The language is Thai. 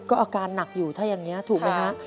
ก็อาการหนักอยู่ถ้าอย่างนี้ถูกไหมคะ